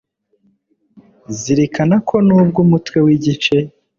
zirikana ko nubwo umutwe w igice